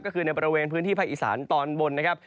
ก็คือในบริเวณพื้นที่ภาคอีสานตอนบนนะครับ